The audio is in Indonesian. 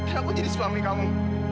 aku jadi suami kamu